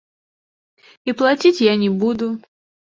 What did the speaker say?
І плаціць я не буду.